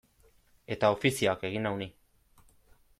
Eta ofizioak egin nau ni.